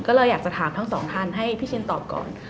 ก็เลยอยากจะถามทั้งสองท่านให้พี่ชินตอบก่อน